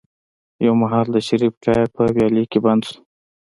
يو مهال د شريف ټاير په ويالې کې بند شو.